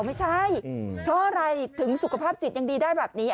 ไม่ใช่เพราะอะไรถึงสุขภาพจิตยังดีได้แบบนี้